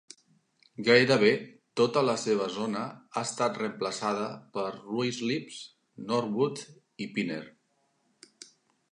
Gairebé tota la seva zona ha estat reemplaçada per Ruislip, Northwood i Pinner.